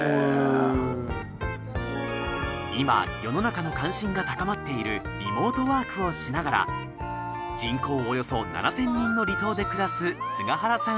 今世の中の関心が高まっているリモートワークをしながら人口およそ７０００人の離島で暮らす菅原さん